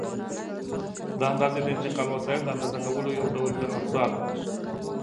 د اندازې د انتقال وسایل د اندازه کولو یو ډول افزار دي.